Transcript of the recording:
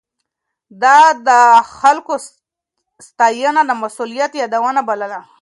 ده د خلکو ستاينه د مسؤليت يادونه بلله.